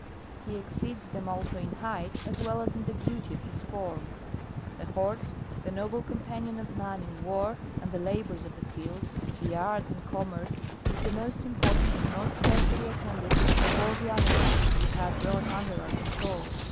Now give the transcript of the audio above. He ex ceeds them also in height as well as in the beauty of his form. 16. The Horse, the noble companion of man in war and the labours of the field, the arts and commerce, is the most impor tant, and most carefully attended of all the animals which we have brought under our control.